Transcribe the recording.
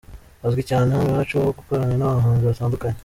azwi cyane hano iwacu ho gukorana n'abahanzi batandukanye.